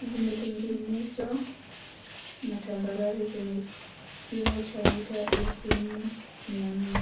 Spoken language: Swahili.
Zimetengwa na tambarare kwenye kimo cha mita elfu nne mia nne